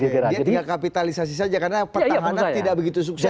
dia tidak kapitalisasi saja karena petangan tidak begitu sukses